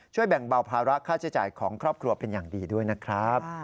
แบ่งเบาภาระค่าใช้จ่ายของครอบครัวเป็นอย่างดีด้วยนะครับ